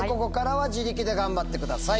で頑張ってください。